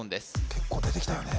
結構出てきたよね